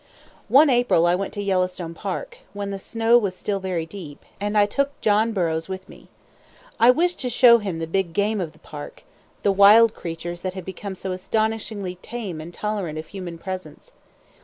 One April I went to Yellowstone Park, when the snow was still very deep, and I took John Burroughs with me. I wished to show him the big game of the Park, the wild creatures that have become so astonishingly tame and tolerant of human presence.